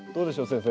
先生。